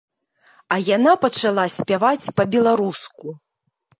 А яна пачала спяваць па-беларуску.